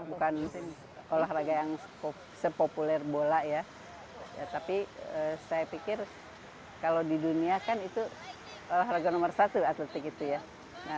bukan olahraga yang sepopuler bola ya tapi saya pikir kalau di dunia kan itu olahraga nomor satu atletik itu ya